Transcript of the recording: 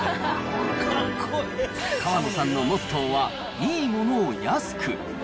河野さんのモットーは、いいものを安く。